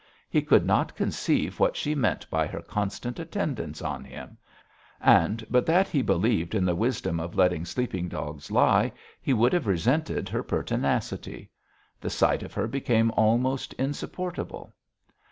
He could not conceive what she meant by her constant attendance on him; and but that he believed in the wisdom of letting sleeping dogs lie, he would have resented her pertinacity. The sight of her became almost insupportable.